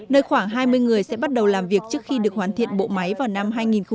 nơi khoảng hai mươi người sẽ bắt đầu làm việc trước khi được hoàn thiện bộ máy vào năm hai nghìn hai mươi